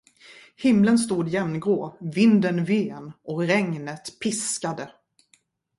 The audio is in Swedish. Himlen stod jämngrå, vinden ven, och regnet piskade.